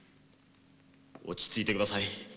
落ち着いてください。